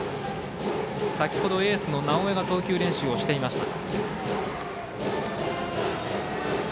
先ほどエースの直江が投球練習をしていました。